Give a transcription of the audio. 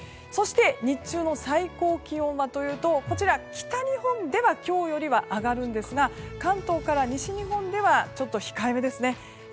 そして、日中の最高気温はというと北日本では今日よりは上がるんですが関東から西日本ではちょっと控えめですね。